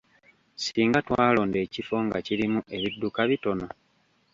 Singa twalonda ekifo nga kirimu ebidduka bitono.